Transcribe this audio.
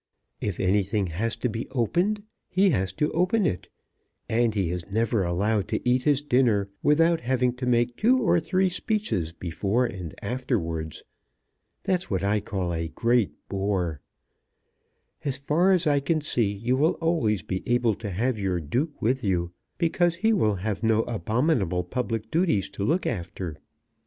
If anything has to be opened he has to open it; and he is never allowed to eat his dinner without having to make two or three speeches before and afterwards. That's what I call a great bore. As far as I can see you will be always able to have your duke with you, because he will have no abominable public duties to look after.